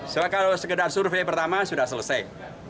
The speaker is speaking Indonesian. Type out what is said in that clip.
soalnya kalau segedar survei pertama sudah selesai